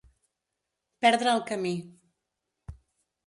Perdre el camí.